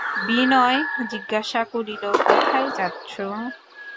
বিনয় জিজ্ঞাসা করিল, কোথায় যাচ্ছ?